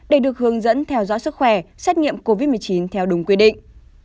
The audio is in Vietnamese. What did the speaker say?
để được hướng dẫn theo dõi sức khỏe xét nghiệm covid một mươi chín theo đúng quy định